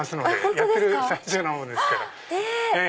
やってる最中なもんですから。